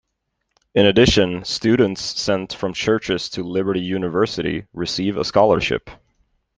In addition, students sent from churches to Liberty University receive a scholarship.